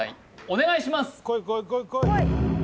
お願いします